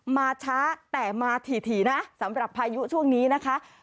มาช้าแต่มาถี่นะสำหรับพายุช่วงนี้นะคะ